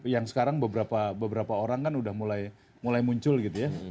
yang sekarang beberapa orang kan udah mulai muncul gitu ya